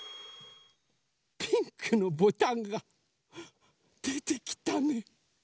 ピンクのボタンがでてきたね。